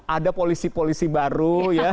ada polisi polisi baru